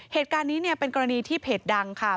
เหตุการณ์นี้เนี่ยเป็นกรณีที่เพจดังค่ะ